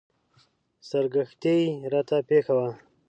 سرګښتۍ راته پېښه وه.